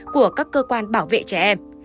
của các cơ quan bảo vệ trẻ em